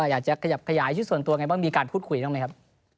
อยากจะขยับขยายชุดส่วนตัวไงบ้างมีการพูดคุยบ้างไหมครับ